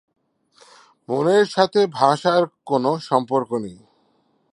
মনের সাথে ভাষার কোন সম্পর্ক নেই।